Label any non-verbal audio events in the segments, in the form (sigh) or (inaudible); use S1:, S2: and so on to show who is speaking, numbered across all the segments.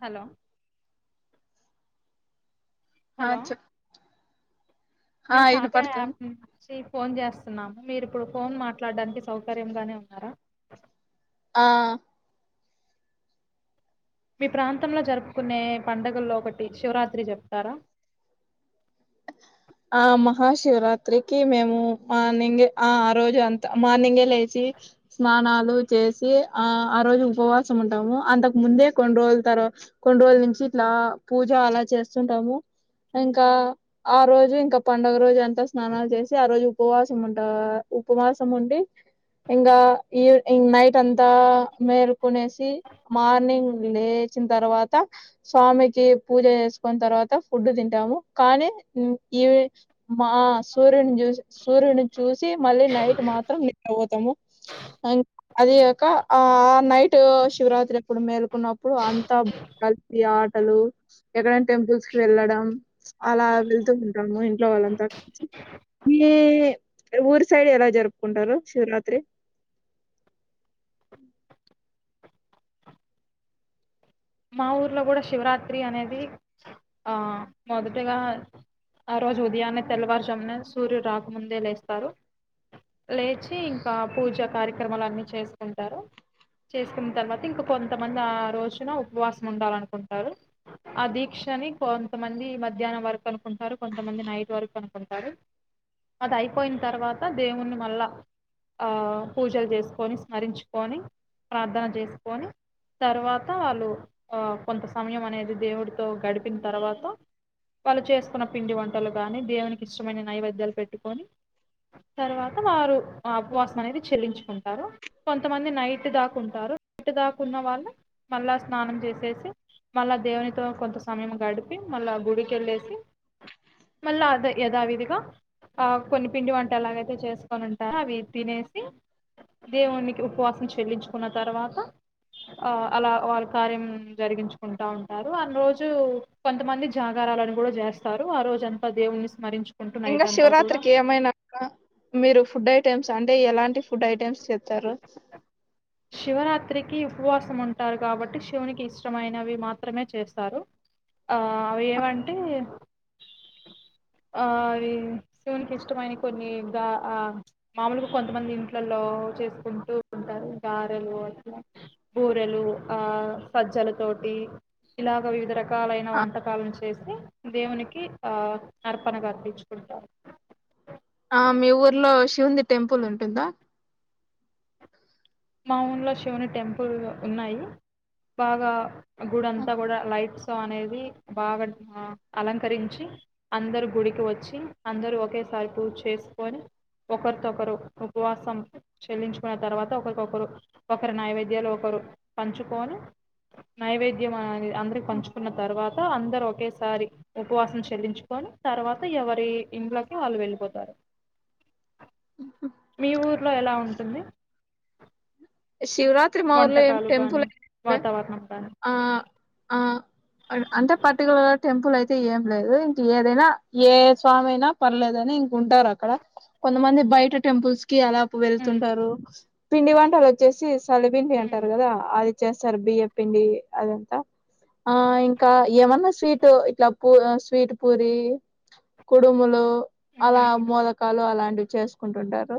S1: Hello
S2: ఆ
S1: hello
S2: చెప్ ఆ
S1: మేము కార్య
S2: ఇనపడుతుంది
S1: యాప్ నుంచి ఫోన్ చేస్తున్నాం మీరుప్పుడు ఫోన్ మాట్లాడడానికి సౌకర్యంగానే ఉన్నారా
S2: ఆ
S1: మీ ప్రాంతంలో జరుపుకునే పండుగల్లో ఒకటి శివరాత్రి చెప్తారా
S2: ఆ మహాశివరాత్రికి మేము మార్నింగే ఆ ఆ రోజు అంత మార్నింగే లేచి స్నానాలు చేసి ఆ ఆ రోజు ఉపవాసం ఉంటాము అంతకు ముందే కొన్ని రోజుల తర్వా కొన్ని రోజుల నుంచి ఇట్లా పూజ అలా చేస్తుంటాము ఇంకా ఆ రోజు ఇంకా పండుగ రోజు అంతా స్నానాలు చేసి ఆ రోజు ఉపవాసం ఉంట ఉపవాసం ఉండి ఇంకా ఈ నైట్ అంత త మేలుకునేసి మార్నింగ్ లే చ్చిన తర్వాత స్వామికి పూజ చేసుకున్న తర్వాత ఫుడ్ తింటాము కానీ (unintelligible) మా సూర్యుని చూసి సూర్యుని చూసి మళ్ళీ నైట్ మాత్రం నిద్రపోతాము (unintelligible) అది కాక ఆ నైటు శివరాత్రి ఎప్పుడు మేల్కున్నప్పుడు అంతా కలిసి ఆటలు ఎక్కడైనా టెంపుల్స్ కి వెళ్ళడం అలా వెల్ ళ్తుంటాం ఇంట్లో వాళ్ళంతా కలిసి మీ ఊరి సైడ్ ఎలా జరుపుకుంటారు శివరాత్రి
S1: మా ఊర్లో కూడా శివరాత్రి అనేది ఆ మొదటగా ఆ రోజు ఉదయాన్నే తెల్లవారుజామున సూర్యుడు రాకముందే లేస్తారు లేచి ఇంకా పూజా కార్యక్రమలు అన్నీ చేసుకుంటారు చేసుకున్న తర్వాత ఇంకా కొంతమంది ఆ రోజున ఉప్ వాసం ఉండాలనుకుంటారు ఆ దీక్షని కొంతమంది మధ్యాహ్నం వరకు అనుకుంటారు కొంతమంది నైట్ వరకు అనుకుంటారు. అది అయిపోయిన తర్వాత దేవుణ్ణి మళ్ళా ఆ పూజలు చేసుకొని స్మరించుకొని ప్రార్థన చేసుకొని తర్వాత వాళ్ళు ఆ కొంత సమయం అనేది దేవుడితో గడిపిన తర్వాత వాళ్ళు చేసుకున్న పిండి వంటలు కాగాని దేవునికి ఇష్టమైన నైవేద్యాలు పెట్టుకొని తర్వాత వారు ఆ ఉపవాసం అనేది చెల్లించుకుంటారు కొంతమంది నైట్ దాకుంటారు నైట్ దాకున్న వాళ్ళు మళ్ళా స్నానం చేసేసి మళ్ళా దేవునితో కొంత సమయం గడిపి మళ్ళా గుడికెళ్ళేసి మళ్ళా అదే యధావిధిగా ఆ కొన్ని పిండి వంట ఎలాగైతే చేసుకొని ఉంటారు అవి తినేసి దేవునికి ఉపవాసం చెల్లించుకున్న తర్వాత ఆ అలా వాళ కార్యం జరిగించుకుంటా ఉంటారు ఆ రోజు కొంతమంది జాగరాలని కూడా చేస్తారు ఆ రోజు అంతా దేవుని స్మరించు
S2: ఇంగ శివరాత్రికి ఏమైనా మీరు ఫుడ్ అయి టమ్స్ అంటే ఎలాంటి ఫుడ్ ఐటెమ్స్ చెత్తారు
S1: శివరాత్రికి ఉపవాసం ఉంటారు కాబట్టి శివునికి ఇష్టమైనవి మాత్రమే చేస్తారు ఆ అవి ఏవంటే ఆవి శివునికి ఇష్టమైన కొన్ని గా ఆ మామూలుగా కొంతమంది ఇంట్లలో చేస్త ఉంటూ ఉంటారు గారెలు అలా బూరెలు ఆ సజ్జల తోటి ఇలాగ వివిధ రక రకాలైన
S2: ఆ
S1: వంటకాలను చేసి దేవునికి ఆ అర్పణగా అర్పించుకుంటారు
S2: ఆ మీ ఊర్లో శివుంది టెంపుల్ ఉంటుందా
S1: మా ఊళ్లో శివుని టెంపుల్ ఉన్నాయి బాగా గుడ అంతా కూడా లైట్స్ అనేది బాగా ఆ అలంకరించి అందరు గుడికి వచ్చి అందరూ ఒకేసారి పూజ చేసుకొని ఒకరితోకరు ఉపవాసం చెల్లించుకున్న తర్వాత ఒకరు ఒకరు ఒకరి నైవేద్యాలు ఒకరు పంచుకొని నైవేద్యం అది అందరికి పంచుకున్న తర్వా త అందరు ఒకేసారి ఉపవాసం చెల్లించుకొని తర్వాత ఎవరి ఇంట్లోకి వాళ్ళు వెళ్ళిపోతారు మీ ఊర్లో ఎలా ఉంటుంది
S2: శివరాత్రి మ ఊర్లో ఏం
S1: వంటకాలు కానీ
S2: టెంపుల్
S1: వాతావరణం కానీ
S2: ఆ ఆ అన్ అంటే పర్టికులర్ టెంపుల్ అయితే ఏం లేదు ఇంక ఏదైనా ఏ స్వామి అయినా పర్లేదని ఇంక ఉంటారు అక్కడ కొంతమంది బయట టెంపుల్స్ కి అలా
S1: ఉమ్,
S2: వెళ్తుంటారు పిండి వంటలు చేసి సలి పిండి
S1: ఉమ్.
S2: అంటారు కదా అది చేస్తారు బియ్య పిండి అదంతా ఆ ఇంకా ఏమన్నా స్వీట్ ఇట్లా పూ స్వీట్ పూరి కుడుములు అలా మొలకాలు అలాంటివి చేసుకుంటుంటారు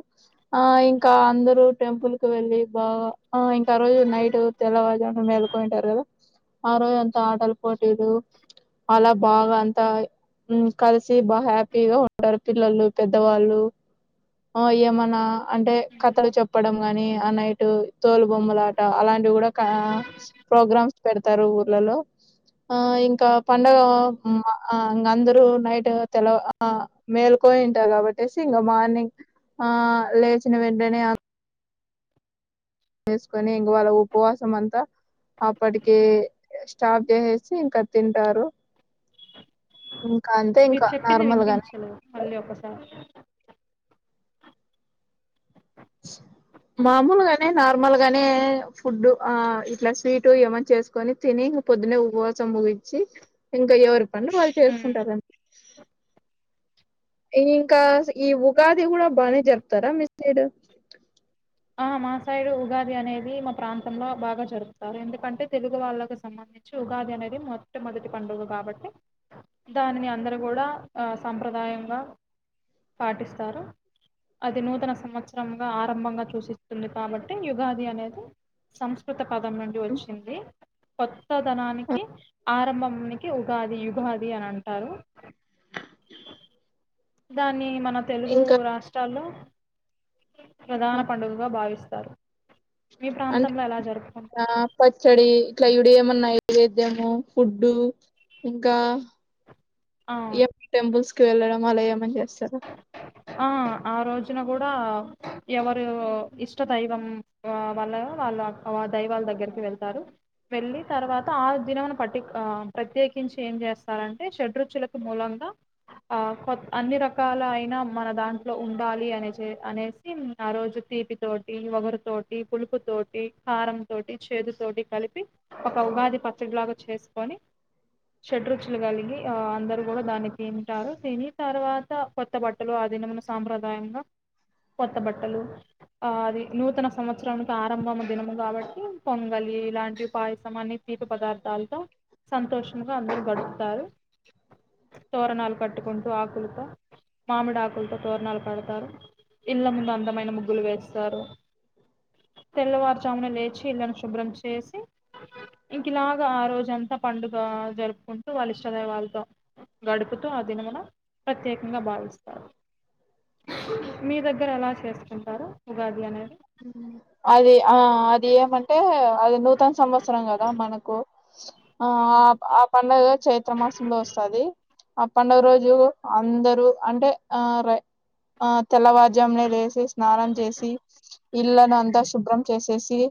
S2: ఆ ఇంకా అందరు టెంపుల్ కు వెళ్ళి ఆ ఇంకా ఆ రోజు నైట్ తెల్లవారు జామున మేల్కొంటారు కదా ఆ రోజు అంతా ఆటలు పోటీలు అలా బాగా అంతా మ్మ్ కలిసి బాగా హ్యాపీగా ఉంటారు పిల్లలు పెద్దవాళ్ళు ఆ ఏమన్నా అంటే కథలు చెప్పడం కానీ ఆ నైట్ టు తోలు బొమ్మలాట అలాన్ టివి కూడా కా ప్రోగ్రామ్స్ పెడతారు ఊర్లలో ఆ ఇన్ కా పండగా ఇం ఆ అందరు నైటు తెల్ల ఆ మేలుకోయింటారు కాబట్టేసి ఇంగ మార్నింగ్ ఆ లేచిన వెంటనే చేసుకొని ఇంకవాళ ఉపవాసం అంతా అప్పటికి స్టాప్ చేసేసి ఇంక తింటారు ఇంకా అంతే
S1: మీరు
S2: ఇంకా
S1: చెప్పింది
S2: నార్మల్
S1: వినిపించలేదు
S2: గానే
S1: మళ్ళీ ఒకసారి
S2: మమూలుగా అంటే నార్మల్ గా నే ఫుడ్ ఆ ఇట్లా స్వీట్ ఏమన్నా చేసుకొని తిని, ఇంగ పొద్దున్నే ఉపవాసం ముగించి ఇంకా ఎవరి పనులు వాళ్ళు
S1: హ్మ్
S2: చేసుకుంటారన్. ఇంకా ఈ ఉగాది కూడా బానే జరుపుతారా మీ సైడ్
S1: ఆ మా సైడు ఉగాది అనేది మా ప్రాంతం లా బాగా జరుపుతారు, ఎందుకంటే తెలుగు వాళ్ళకు సంబంధించి ఉగాది అనేది మొట్టమొదటి పండుగ కాబట్టి, దానిని అందరు కూడా ఆ సంంప్రదాయంగా పాటిస్తారు. అది నూతన సంవత్సరంగా ఆరంభంగా చూసి. టుంది కాబట్టి యుగాది అనేది సంస్కృత పదం నుండి వచ్చింది కొత్తదనానికి ఆరంభానికి ఉగాది యుగాది అని అంటారు దాన్ని మన్ మన తెలుగు
S2: ఇంకా
S1: రాష్ట్రాల్లో ప్రధాన పండు భావిస్తారు మీ
S2: అంటే
S1: ప్రాంతంలో ఎలా
S2: దా
S1: జరుపుకుంటారు
S2: పచ్చడి ఇట్లా ఇడు ఏమున్నాయి నైవేద్యము ఫుడ్డు ఇంకా
S1: ఆ
S2: ఇయాపి టెంపుల్స్ కి వెళ్ళడం అలా ఏమన్ చేస్తారా
S1: ఆ ఆ రోజున కూడా ఎవరు ఇష్ట దైవం ఆ వాళ్ల వాళ్ళ వా దైవాల దగ్గరికి వెళ్తారు వెళ్ళి తర్వాత ఆ దినమును పటిక్ ఆ ప్రత్యేకించి ఏం చేస్తారంటే షడ్రుచులకు మూలంగా ఆ కొత్ అన్ని రకాల అయినా మన దాంట్లో ఉండాలి అనేచే అనేసి ఆ రోజు తీపితోటి వగరుతోటి పులుపుతోటి కారంతోటి చేదుతోటి కలిపి ఒక ఉగాది పచ్చడిలాగా చేసుకొని షడ్రుచులు కలిగి ఆ అందరు కూడా దాన్ని తింటారు తిని తర్వాత కొత్త బట్ట ట్టలు ఆ దినమున సాంప్రదాయంగా కొత్త బట్టలు ఆ అది నూతన సంవత్సరనికి ఆరంభం దినము కాబట్టి పొంగలి ఇలాంటి పాయసం అన్ని తీపి పదార్థాలతో సంతోషంగా అందరూ గడుపుతారు తోరణాలు కట్టుకుంటూ ఆకులతో మామిడి ఆకులతో తోరణాలు కడతారు ఇళ్ల ముందు అందమైన ముగ్గులు వేస్తారు తెల్లవారుజామున లేచి ఇల్లంతా శుభ్రం చేసి ఇంకిఈలాగా ఆ రోజంతా పండుగ జరుపుకుంటూ వాళ్ళ ఇష్ట దైవాళ్ళతో గడుపుతూ ఆ దినమున ప్రత్యేకంగా భావిస్త మీ దగ్గర ఎలా చేసుకుంటారు ఉగాది అనేది
S2: అది ఆ అది ఏమంటే అది నూతన సంవత్సరం కదా మనకు ఆ
S1: ఉమ్
S2: ఆ ఆ పండగ చైత్ర మాసంలో వస్తాది ఆ పండగ రోజు అందరూ అంటే ఆ రై ఆ తెల్లవార్ జామునే లేసి స్నానం చేసి ఇళ్ళను అంతా శుభ్రం చేసేస్ యి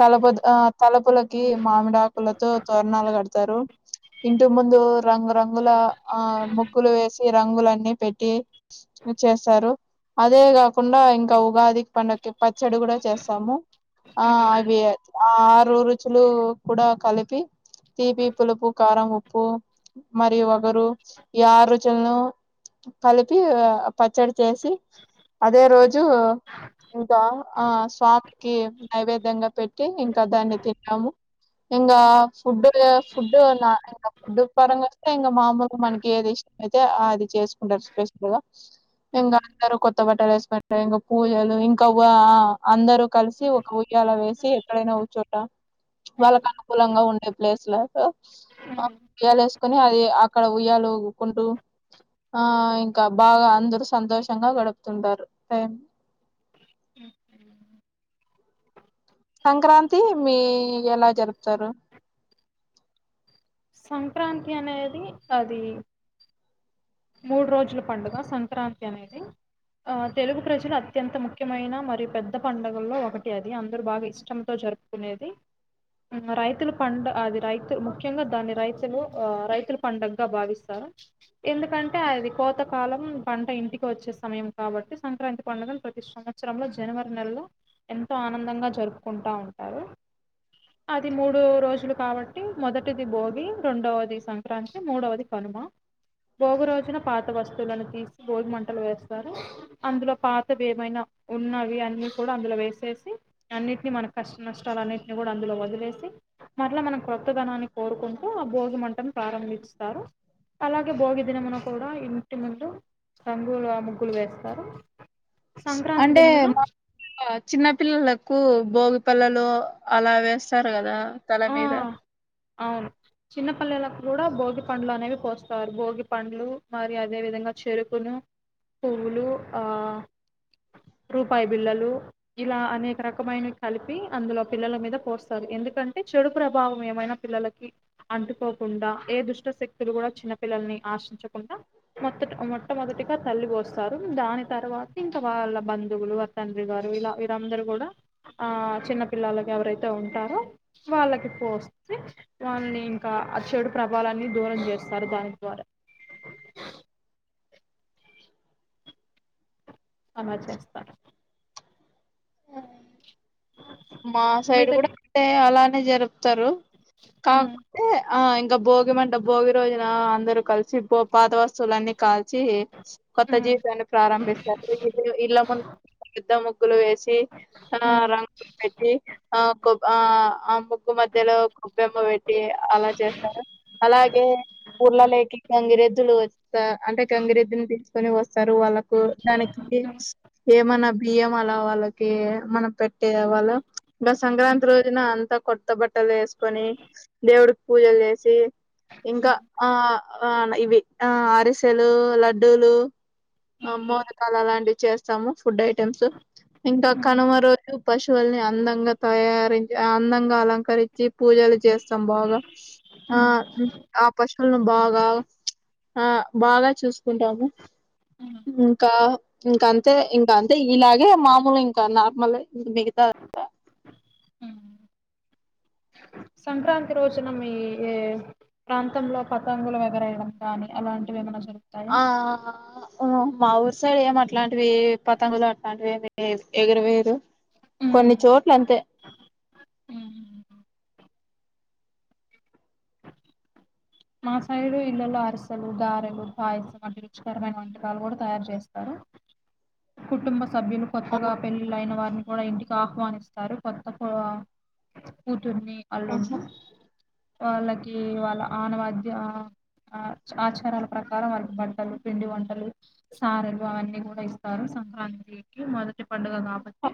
S2: తలపోద్ ఆ తలపులకి మామిడా ఆకులతో తోరణాలు కడతారు ఇంటి ముందు రంగురంగుల ఆ ముగ్గులు వేసి ఈ రంగులన్నీ పెట్టి చేస్తారు అదే కాకుండా ఇంకా ఉగాది పండగకి చెడు కూడా చేస్తాము ఆ అవి ఆ ఆరురుచులు కూడా కలిపి తీపి పులుపు కారం ఉప్పు మరియు వగరు ఈ ఆరుచులను కలిపి పచ్చడి చేసి అదే రోజు ఇంకా ఆ స్వామికి నైవేద్యంగా పెట్టి ఇంకా దాన్ని తిన్నాము ఇంకా ఫుడ్ ఫుడ్ ఇం ఫుడ్ పరంగా వస్తే ఇంకా మామూలు మనకి ఏది ఇష్టమైతే అది చేసుకుంటారు స్పెషల్ గా ఇంగా అందరూ కొత్త బట్ట వేసుకొంటారు ఇంకా పూజలు ఇం కొవ్వా అందరూ కలిసి ఒక ఉయ్యాల వేసి ఎక్కడైనా ఓచోట వాళ్ళకి అనుకూలంగా ఉండే ప్లేస్లో ఆ
S1: ఉమ్
S2: ఉయ్యాల వేసుకుని అయి అక్కడ ఉయ్యాల ఊకుంటూ ఆ ఇంకా బాగా అందరూ సంతోషంగా గడుపుతుంటారు సంక్రాంతి మీ ఎలా జరుపుతారు
S1: సంక్రాంతి అనేది అది మూడు రోజుల పండుగ సంక్రాంతి అనేది ఆ తెలుగు ప్రజలు అత్యంత ముఖ్యమైన మరియు పెద్ద పండగల్లో ఒకటి అది అందరు బాగా ఇష్టంతో జరుపుకునేది మ్మ్ రైతుల పండ అది రైతు ముఖ్యంగా దాన్ని రైతులు ఆ రైతుల పండగా భావిస్తారు ఎందుకంటే అంటే అది కోతకాలం పంట ఇంటికి వచ్చే సమయం కాబట్టి సంక్రాంతి పండుగను ప్రతి సంవత్సరంలో జనవరి నెలలో ఎంతో ఆనందంగా జరుపుకుంటా ఉంటారు అది మూడు రోజులు కాబట్టి మొదటిది భోగి రెండవది సంక్రాంతి మూడవది కనుమ భోగి రోజ్ వచ్చిన పాత వస్తువులను తీసి భోగిమంటలు వేస్తారు అందులో పాతవి ఏమైనా ఉన్నవి అన్నీ కూడా అందులో వేసేసి అన్నిట్ని మనక్ కష్ట నష్టాలు అన్నిటిని కూడా అందులో వదుల్ వేసి మర్లా మనం కొత్తదనాన్ని కోరుకుంటూ ఆ భోగి మంటం ప్రారంభిస్తారు అలాగే భోగి దినమును కూడా ఇంటి ముందు రంగుల ముగ్గులు వేస్తారు సంక్రాంతి
S2: అంటే
S1: దినమున
S2: మా చిన్న పిల్లలకు బోగి పల్లలు అలా వేస్తారు కదా తల
S1: ఆ
S2: మీద
S1: అవును చిన్నపల్లెలకు కూడా భోగి పండ్లు అనేవి పోస్తారు భోగి పండ్లు మరి అదే విధంగా చెరుకును పువ్వులు ఆ రూపాయి బిల్లలు ఇలా అనేక రకమైనవి కలిపి అందులో పిల్లల మీద పోస్తారు ఎందుకంటే అ చెడు ప్రభావం ఏమైనా పిల్లలకి అంటూకోకుండా ఏ దుష్ట శక్తులు కూడా చిన్న పిల్లల్ని ఆశించకుండా మొత్తట్ మొట్టమొదటిగా తల్లి పోస్తారు దాని తర్వాత ఇంకా వాళ్ళ బంధువులు ఆ తండ్రి గారు ఇలా వీరందరూ కూడా ఆ చిన్న పిల్లలకి ఎవరైతే ఉంటారో వాళ్ళకి పోస్తే వాల్నింక ఆ చెడు ప్రభాలన్ని దూరం చేస్తారు దాని ద్వారా అలా చేస్తారు
S2: ఆ మా
S1: మీ
S2: సైడ్
S1: దగ్గ
S2: కూడా అంటే అలా జరుపుతారు
S1: ఉమ్
S2: కాక్పోతే ఆ ఇంకా భోగి మంట భోగి రోజున అందరూ కలిసి పాత వస్తువులన్నీ కాల్ చీ కొత్త
S1: ఉమ్
S2: జీవితాన్ని ప్రారంభిస్తారు ఇ ఇ ఇల్ ఇళ్ల ముందు పెద్ద ముగ్గు గ్గులు వేసి ఆ
S1: ఉమ్
S2: రంగు పెట్టీ ఆ కో ఆ ఆ ముగ్గు మధ్యలో గొబ్బెమ్మ పెట్ ట్టి అలా చేస్తారు అలాగే ఊర్ళ లాలెక్కీ గంగిరెద్దులు వస్త అంటే గంగిరెద్దుని తీసుకొని వస్ తరు వాళ్ళకు దానికి ఏమన్నా బియ్యం అలా వాళ్ళకి మనం పెట్టే వాల ఇంకా సంక్రాంతి రోజున అంతా కొత్త బట్టలు వేసుకొని దేవుడికి పూజలు చేసి ఇంకా ఆ ఆ ఇవి ఆ అరిసెలు, లడ్డూలు అమ్మోరి తల లాంటివి చేస్తాము ఫుడ్ ఐటమ్స్. ఇంకా కనుమ రోజు పశువుల్ని అందంగా తయారించి అందంగా అలంకరించి పూజలు చేస్తాం బాగా. ఆ ఆ పశువులను బాగా ఆ బాగా చూసుకుంటాము. ఇంకా ఇంక అంతే ఇంకా అంతే ఇలాగే మామూలు ఇంకా నార్మలె మిగతా అంత
S1: ఉమ్ సంక్రాంతి రోజున మీ ఏ ప్రాంతంలో పతంగులు వెగరయడం కానీ అలాంటివి ఏమైనా జరు
S2: ఆ మా ఊరుసైడ్ ఏం అట్లాంటివి పతంగులు అట్లాంటివిమి ఎగరవేయరు కొన్ని చోట్ల అంతే
S1: ఉమ్ మా సైడు ఇళ్లలో అరిసలు, గారెలు, పాయసం అంటివి రుచికరమైన వంటకాలు కూడా తయారు చేస్తారు కుటుంబ సభ్యులు
S2: ఆ
S1: కొత్తగా పెళ్ళిలైన వారిని కూడా ఇంటికి ఆహ్వానిస్తారు కొత్త కో కూ తున్ని
S2: ఆహా
S1: అలున్నీ వాళ్ళకి వాళ్ళ ఆన మధ్య ఆ ఆచారాల ప్రకారం వాళ్ళకి బట్టలు, పిండి వంటలు, సారలు అవన్నీ కూడా ఇస్తారు. సంక్రాంతికి మొదటి పండుగ కాబట్టి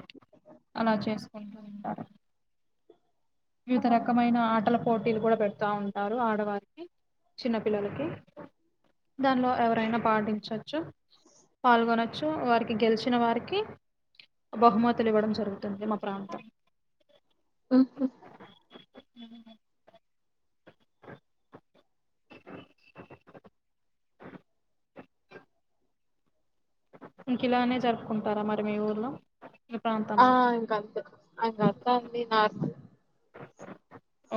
S1: అలా చేసి ఉండి ఉంటారు వివిధ రకమైన ఆటల పోటీలు కూడా పెడతా ఉంటారు ఆడ వారికి చిన్నపిల్లలకి దాంట్లో ఎవరైనా పాటించొచ్చు పాల్గొనొచ్చు వారికి గెలిచినా వారికి బహుమతులు ఇవ్వడం జరుగుతుంది మా ప్రాంతం
S2: ఓ హొ
S1: ఇంక ఇలానే జరుపుకుంటారా మరి మీ ఊర్లో మీ
S2: ఆ
S1: ప్రాంతంలో
S2: ఇంగంతే అంగ అంతా అంది నార్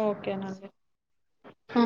S1: ఓకే నండి
S2: హా